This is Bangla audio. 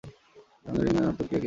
হুঙ্গারীয়ান আর তুর্কী একই জাতি।